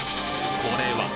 これは？